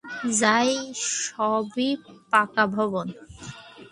যার সবই পাকা ভবন।